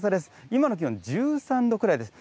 今の気温１３度ぐらいです。